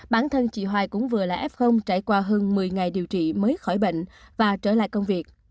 bản thân chị hoài cũng vừa là f trải qua hơn một mươi ngày điều trị mới khỏi bệnh và trở lại công việc